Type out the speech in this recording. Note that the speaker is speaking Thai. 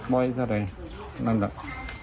เท่าไหร่นั่นแหละ